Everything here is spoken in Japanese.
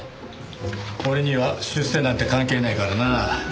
俺には出世なんて関係ないからな。